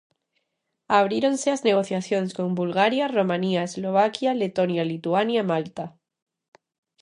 Abríronse as negociacións con Bulgaria, Romanía, Eslovaquia, Letonia, Lituania e Malta.